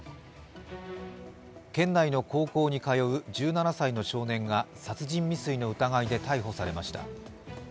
県内の高校に通う１７歳の少年が殺人未遂の疑いで逮捕されました。